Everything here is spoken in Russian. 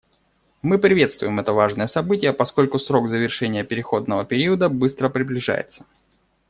Мы приветствуем это важное событие, поскольку срок завершения переходного периода быстро приближается.